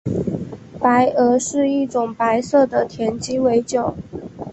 白俄是一种白色的甜鸡尾酒。